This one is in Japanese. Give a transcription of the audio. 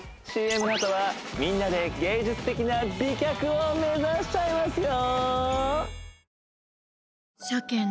ＣＭのあとはみんなで芸術的な美脚を目指しちゃいますよ！